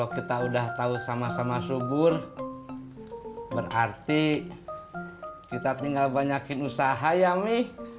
kita tinggal banyakin usaha ya mi